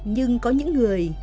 nhưng có những người